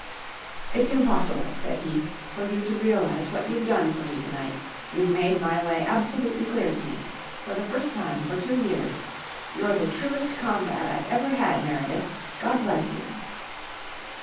"It's impossible," said he, "for you to realise what you've done for me to night. You've made my way absolutely clear to me for the first time for two years. You're the truest comrade I've ever had, Meredyth. God bless you."